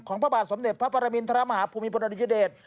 ของพระบาทสมเด็จพระประมินทรมาฮาภูมิบรรณดิเจ้าเดชน์